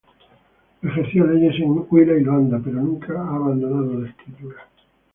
Ejerció leyes en Huila y Luanda, pero nunca ha abandonado la escritura.